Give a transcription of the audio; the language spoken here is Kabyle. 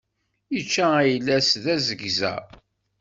Ičča ayla-s d azegza.